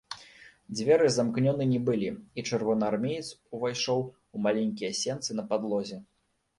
Дзверы замкнёны не былі, і чырвонаармеец увайшоў у маленькія сенцы на падлозе.